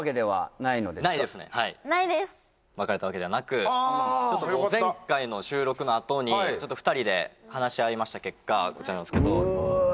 ないですねはい別れたわけではなくあよかった前回の収録のあとに２人で話し合いました結果こちらなんですけどうわ